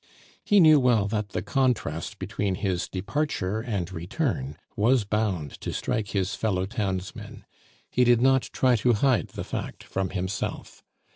He knew well enough that the contrast between his departure and return was bound to strike his fellow townsmen; he did not try to hide the fact from himself.